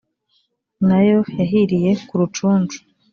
nayo yahiriye ku rucuncu.